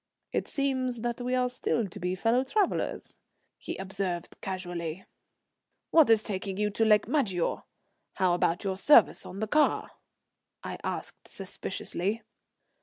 "It seems that we are still to be fellow travellers," he observed casually. "What is taking you to Lake Maggiore? How about your service on the car?" I asked suspiciously.